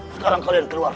sekarang kalian keluar